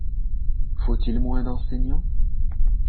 Faut-il moins d’enseignants?